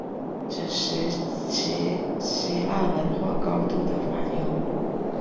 此时期希腊文化高度的繁荣